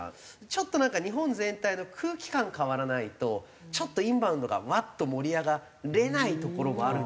ちょっとなんか日本全体の空気感変わらないとちょっとインバウンドがワッと盛り上がれないところがある。